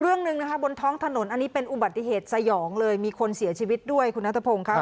เรื่องหนึ่งนะคะบนท้องถนนอันนี้เป็นอุบัติเหตุสยองเลยมีคนเสียชีวิตด้วยคุณนัทพงศ์ค่ะ